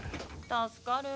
助かる。